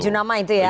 yang mana itu ya